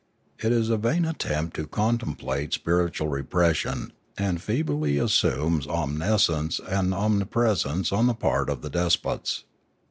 It is a vain attempt at complete spiritual repression and feebly assumes omniscience and omni presence on the part of the despots.